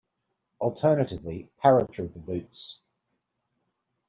Alternatively, "paratrooper boots".